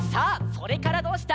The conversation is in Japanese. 「それからどうした」